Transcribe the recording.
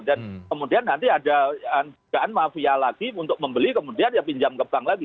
dan kemudian nanti ada jugaan mafia lagi untuk membeli kemudian ya pinjam ke bank lagi